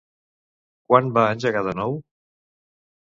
Quan va engegar de nou?